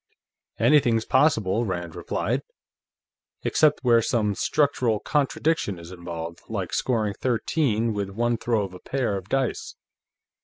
"Anything's possible," Rand replied, "except where some structural contradiction is involved, like scoring thirteen with one throw of a pair of dice.